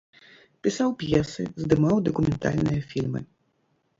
Пісаў п'есы, здымаў дакументальныя фільмы.